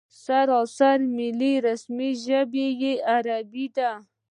سراسري ملي رسمي ژبه یې عربي ده.